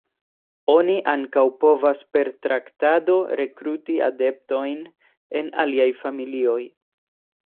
Oni ankaŭ povas per traktado rekruti adeptojn en aliaj familioj.